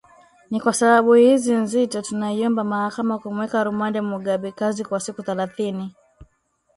Ni kwa sababu hizi nzito tunaiomba mahakama kumweka rumande Mugabekazi kwa siku thelathini